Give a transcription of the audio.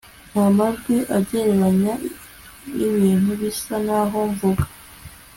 nta majwi agereranya nibintu bisa naho mvuga